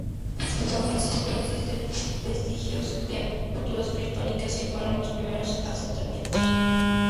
En San Francisco existen vestigios de culturas prehispánicas que fueron los primeros asentamientos.